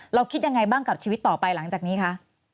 คิดยังไงบ้างกับชีวิตต่อไปหลังจากนี้คะ